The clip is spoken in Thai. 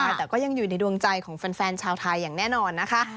แต่ก็ยังอยู่ในดวงใจของแฟนชาวไทยอย่างแน่นอนนะคะ